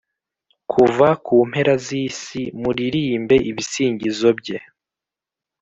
kuva ku mpera z’isi, muririmbe ibisingizo bye,